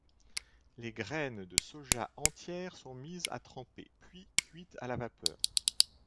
Les graines de soja entières sont mises à tremper, puis cuites à la vapeur.